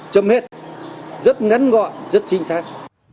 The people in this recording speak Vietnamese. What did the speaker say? châm hết rất ngắn gọn rất chính xác